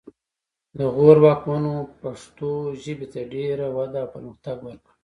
د غور واکمنو پښتو ژبې ته ډېره وده او پرمختګ ورکړ